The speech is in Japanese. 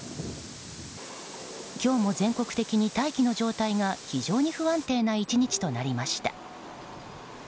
今日も全国的に大気の状態が非常に不安定な１日となりました。